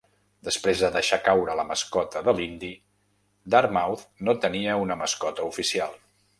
Després de deixar caure la mascota de l'indi, Dartmouth no tenia una mascota oficial.